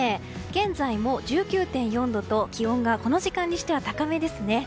現在も１９．４度と気温がこの時間にしては高めですね。